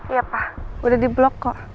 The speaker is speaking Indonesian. iya pa udah di blok kok